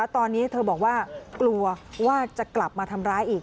ตอนนี้เธอบอกว่ากลัวว่าจะกลับมาทำร้ายอีก